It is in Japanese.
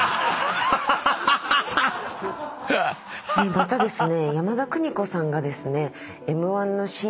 またですね。